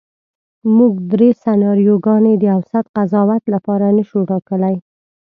موږ درې سناریوګانې د اوسط قضاوت لپاره نشو ټاکلی.